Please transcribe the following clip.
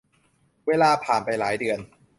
เวลาผ่านไปหลายเดือน